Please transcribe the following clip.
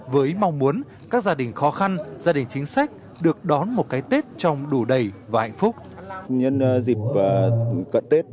với mong muốn các gia đình khó khăn gia đình chính sách được đón một cái tết trông đủ đầy và hạnh phúc